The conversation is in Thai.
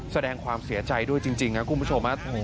แสดงความเสียใจด้วยจริงจริงแล้วครับคุณผู้ชมฮะ